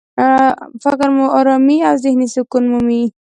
فکر مو ارامي او ذهني سکون مومي.